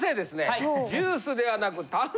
はい。